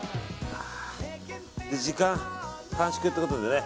時間短縮ってことでね